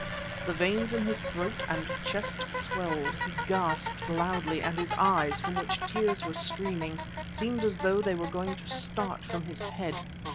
The veins in his throat and chest swelled, he gasped loudly, and his eyes, from which tears were streaming, seemed as though they were going to start from his head.